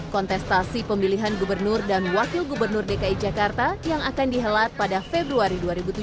kontestasi pemilihan gubernur dan wakil gubernur dki jakarta yang akan dihelat pada februari dua ribu tujuh belas